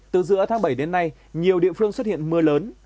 từ giữa tháng bảy đến nay nhiều địa phương xuất hiện mưa lớn